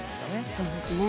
そうですね。